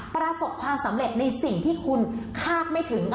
ประสบความสำเร็จในสิ่งที่คุณคาดไม่ถึง